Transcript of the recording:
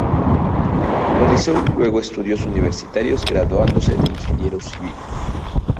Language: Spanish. Realizó luego estudios universitarios, graduándose de ingeniero civil.